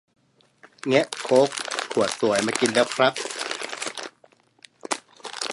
แงะโค้กขวดสวยมากินแล้วครับ